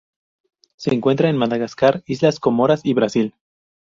Se encuentra en Madagascar, islas Comoras y Brasil.